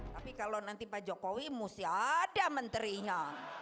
tapi kalau nanti pak jokowi mesti ada menterinya